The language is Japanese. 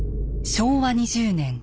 昭和２０年。